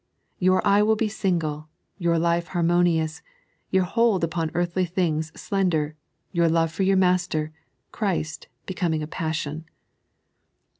Your eye will be single, your life har monious, your hold upon earthly things slender, your love for your Master, Ghrist, becoming a passion.